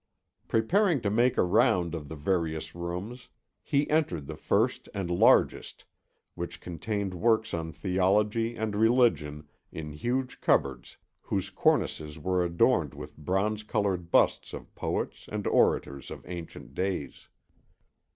Preparing to make a round of the various rooms, he entered the first and largest, which contained works on theology and religion in huge cupboards whose cornices were adorned with bronze coloured busts of poets and orators of ancient days.